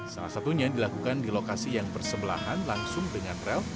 salah satunya dilakukan di lokasi yang bersebelahan langsung dengan rel